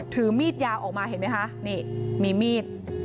ถือมีดยาวออกมาเห็นไหมคะนี่มีมีด